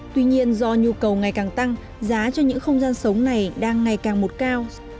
tuy nhiên do nhu cầu ngày càng tăng giá cho những không gian sống này đang ngày càng một cao